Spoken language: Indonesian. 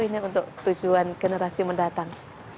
ini untuk tujuan generasi mendatang